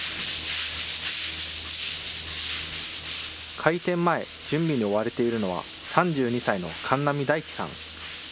開店前、準備に追われているのは３２歳の神並大輝さん。